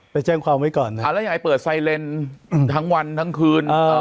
ไปแจ้งความไว้ก่อนครับแล้วยังไงเปิดไซเลนทั้งวันทั้งคืน